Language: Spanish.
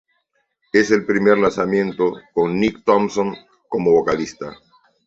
Es el primer lanzamiento con Nick Thompson como vocalista.